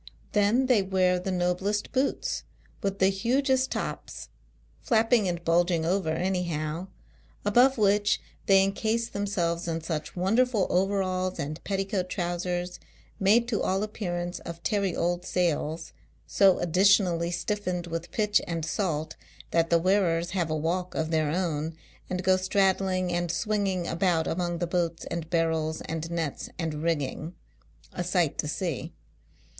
Then, they wear the noblest boots, with the hugest tops — flapping and bulg ing over anyhow ; above which, they encase i selves in such wonderful overalls and petticoat trowsers, made to all appearance of tarry old sails, so additionally stiffened with pitch and salt, that the wearers have a walk of their own, and go straddling and swinging about, among the boats ami barrels and nets and rigging, a sight to see.